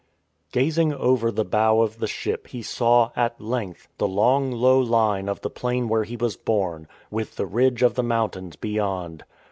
Gazing over the bow of the ship he saw, at length, the long low line of the plain where he was born, with the ridge of the mountains beyond.